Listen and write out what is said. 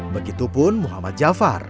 begitupun muhammad jafar menurutnya